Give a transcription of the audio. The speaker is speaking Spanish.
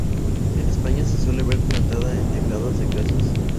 En España se suele ver plantada en tejados de casas.